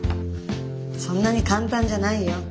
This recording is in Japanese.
そんなに簡単じゃないよ。